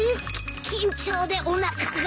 緊張でおなかが。